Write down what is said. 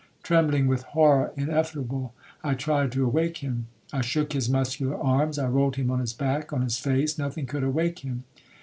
Trembling with horror ineffable, I tried to awake him. I shook his muscular arms, I rolled him on his back, on his face,—nothing could awake him.